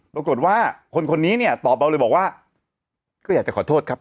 ปรากฏว่าคนคนนี้เนี่ยตอบเราเลยบอกว่าก็อยากจะขอโทษครับ